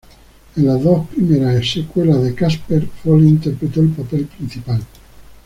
En las dos primeras secuelas de "Casper", Foley interpretó el papel principal.